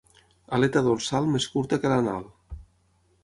Aleta dorsal més curta que l'anal.